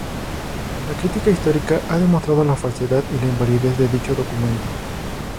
La crítica histórica ha demostrado la falsedad y la invalidez de dicho documento.